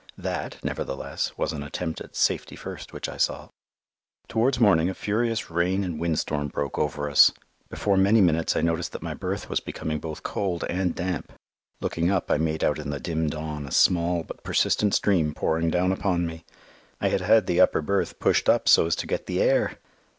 That, nevertheless, was an attempt at "safety first" which I saw. Towards morning a furious rain and wind storm broke over us. Before many minutes I noticed that my berth was becoming both cold and damp. Looking up I made out in the dim dawn a small but persistent stream pouring down upon me. I had had the upper berth pushed up so as to get the air!